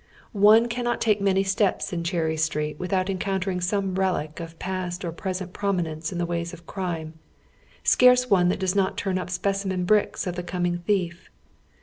One cannot take many steps in Cherry Street without encountering some relie of past or present promi nence in the .ways of crime, scarce one that does not turn up specimen hricks of the coming thief.